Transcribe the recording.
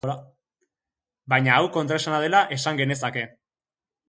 Baina hau kontraesana dela esan genezake.